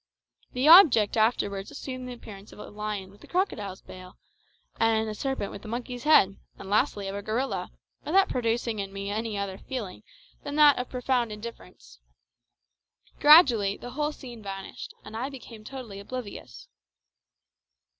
The object afterwards assumed the appearance of a lion with a crocodile's bail, and a serpent with a monkey's head, and lastly of a gorilla, without producing in me any other feeling than that of profound indifference. Gradually the whole scene vanished, and I became totally oblivious.